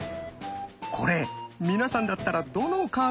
これ皆さんだったらどのカードを出します？